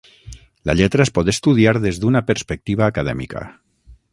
La lletra es pot estudiar des d'una perspectiva acadèmica.